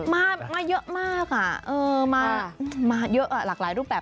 มาเยอะมากมาเยอะหลากหลายรูปแบบ